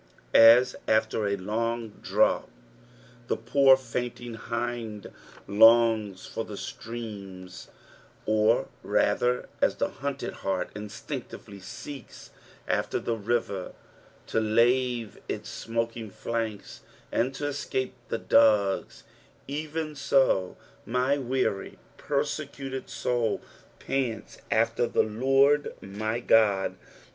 As after a long drought the poor faintiog hind longa (or the streamr, or rather as the hunted bart inBtiactively seeks nfter the river to lave its smoking flanka and to escape the dogs, even so mj wearjr, persecuted soul jiants after the 300 EXP08ITIOIi3 OF THS P8AL1IS. Lord my Ood.